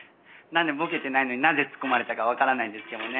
ボケてないのになぜツッコまれたか分からないんですけどもね。